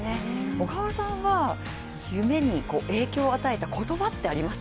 小川さんは夢に影響を与えた言葉ってあります？